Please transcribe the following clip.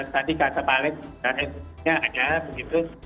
tadi kata pak alex ya begitu